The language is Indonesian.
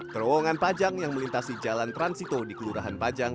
terowongan pajang yang melintasi jalan transito di kelurahan pajang